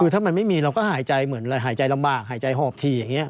คือถ้ามันไม่มีเราก็หายใจเหมือนหายใจลำบากหายใจหอบถี่อย่างนี้